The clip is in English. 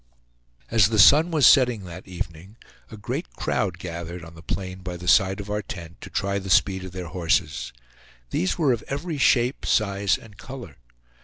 As the sun was setting that evening a great crowd gathered on the plain by the side of our tent, to try the speed of their horses. These were of every shape, size, and color.